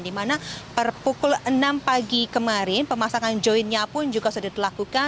di mana per pukul enam pagi kemarin pemasangan joinnya pun juga sudah dilakukan